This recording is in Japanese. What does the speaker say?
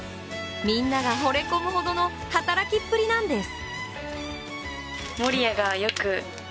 みんながほれ込むほどの働きっぷりなんです。